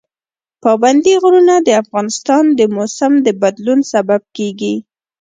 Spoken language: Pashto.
پابندی غرونه د افغانستان د موسم د بدلون سبب کېږي.